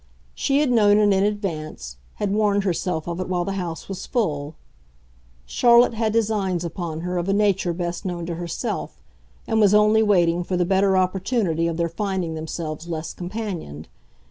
She had known it in advance, had warned herself of it while the house was full: Charlotte had designs upon her of a nature best known to herself, and was only waiting for the better opportunity of their finding themselves less companioned.